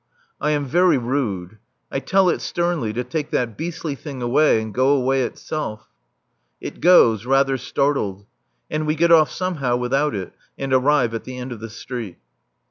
I am very rude. I tell it sternly to take that beastly thing away and go away itself. It goes, rather startled. And we get off, somehow, without it, and arrive at the end of the street.